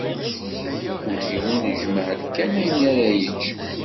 Mkul yiwen ijmeɛ-d kan ayen ara yečč.